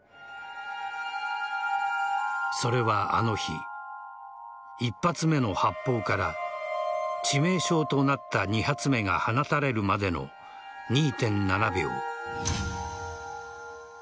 それはあの日、１発目の発砲から致命傷となった２発目が放たれるまでの２．７秒。